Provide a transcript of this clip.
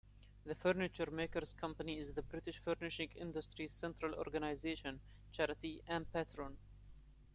The Furniture Makers' Company is the British furnishing industry's central organisation, charity and patron.